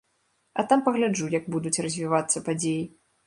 А там пагляджу, як будуць развівацца падзеі.